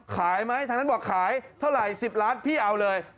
ขายไหมทางนั้นบอกขายเท่าไหร่๑๐ล้านพี่เอาเลย